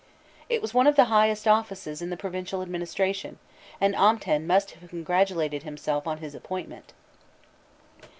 It was one of the highest offices in the Provincial Administration, and Amten must have congratulated himself on his appointment.